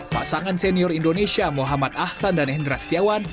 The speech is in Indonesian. pasangan senior indonesia muhammad ahsan dan hendra setiawan